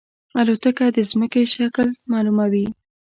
الوتکه د زمکې شکل معلوموي.